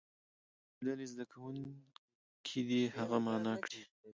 د بلې ډلې څو زده کوونکي دې هغه معنا کړي.